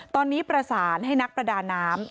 ตอนนี้ประสานให้นักประดาน้ำ